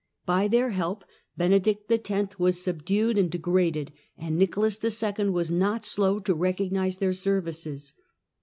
By their help Benedict X. was subdued and degraded, and Nicholas II. was not slow to recognize their services.